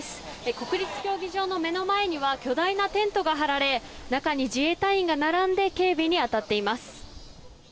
国立競技場の目の前には巨大なテントが張られ中に自衛隊員が並んで警備に当たっています。